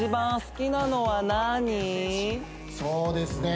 そうですね